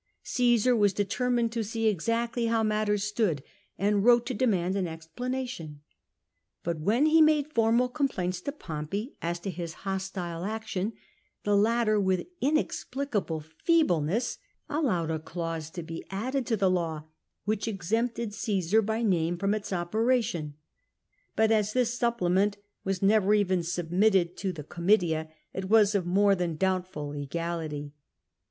Caesar was determined to see exactly how mat ters stood, and wrote to demand an explanation. But when he made formal complaints to Pompey as to his hostile action, the latter, with inexplicable feeble ness, allowed a clause to be added to the law which exempted Omsar by name from its operation ; but as this supplement was never even submitted to the THE OPEN BREACH WITH CAESAR 279 Comitia, it was of more than doubtful legality.